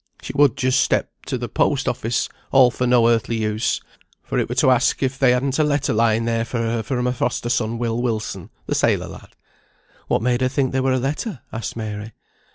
"She would just step to the post office, all for no earthly use. For it were to ask if they hadn't a letter lying there for her from her foster son Will Wilson, the sailor lad." "What made her think there were a letter?" asked Mary.